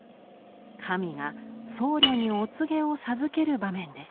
神が僧侶にお告げを授ける場面です。